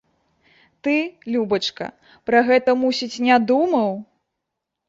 Ты, любачка, пра гэта, мусіць, не думаў?